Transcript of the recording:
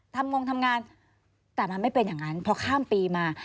งงทำงานแต่มันไม่เป็นอย่างนั้นพอข้ามปีมา